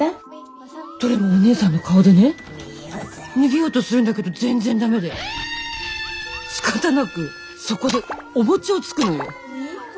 どれもお姉さんの顔でね逃げようとするんだけど全然ダメでしかたなくそこでお餅をつくのよ。